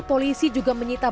polisi juga menyitakan bahwa